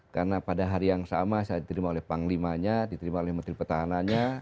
karena pada hari yang sama saya diterima oleh panglimanya diterima oleh menteri pertahanannya